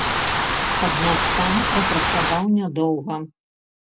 Аднак там прапрацаваў нядоўга.